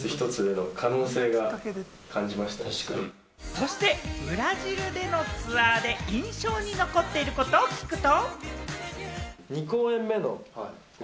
そしてブラジルでのツアーで印象に残っていることを聞くと。